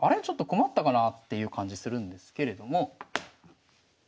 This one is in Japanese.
ちょっと困ったかなっていう感じするんですけれども。